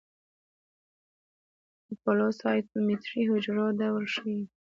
د فلو سايټومېټري حجرو ډول ښيي.